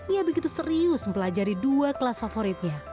ia begitu serius mempelajari dua kelas favoritnya